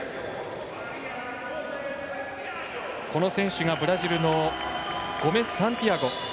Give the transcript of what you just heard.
この選手がブラジルのゴメスサンティアゴ。